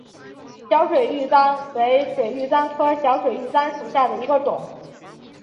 小水玉簪为水玉簪科小水玉簪属下的一个种。